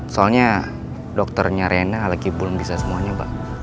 soalnya dokternya rena lagi belum bisa semuanya bang